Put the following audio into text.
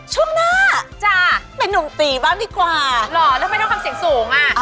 ช่วงหน้าจ้ะเป็นนุ่มตีบ้างดีกว่าหล่อแล้วไม่ต้องทำเสียงสูงอ่ะ